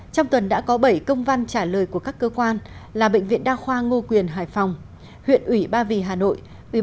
trong tuần đã có bảy công văn trả lời của các cơ quan là bệnh viện đa khoa ngô quyền hải phòng huyện ủy ba vì hà nội